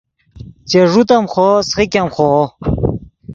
چے ݱوت ام خوو سیخیګ ام خوو